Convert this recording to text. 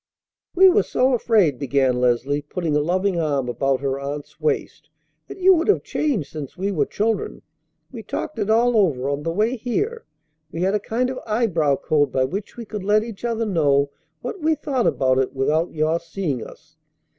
"We were so afraid," began Leslie, putting a loving arm about her aunt's waist, "that you would have changed since we were children. We talked it all over on the way here. We had a kind of eyebrow code by which we could let each other know what we thought about it without your seeing us.